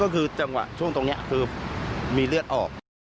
ก็คือจังหวะช่วงตรงนี้คือมีเลือดออก